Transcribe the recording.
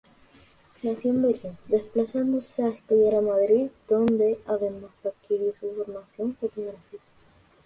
Nació en Verín, desplazándose a estudiar a Madrid donde además adquirió su formación fotográfica.